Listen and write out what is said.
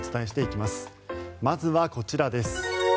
まずはこちらです。